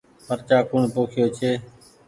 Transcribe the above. مرچآ ڪوڻ پوکيو ڇي۔